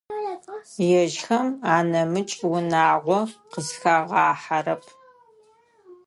Ежьхэм анэмыкӏ унагъо къызхагъахьэрэп.